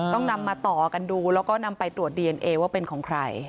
ต้องนำมาต่อกันดูแล้วก็นำไปตรวจดีเอนเอว่าเป็นของใคร